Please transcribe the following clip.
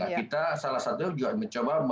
dan kita salah satu juga mencoba